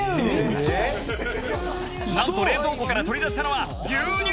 なんと冷蔵庫から取り出したのは牛乳！